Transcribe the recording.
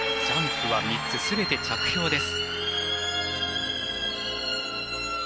ジャンプは３つすべて着氷です。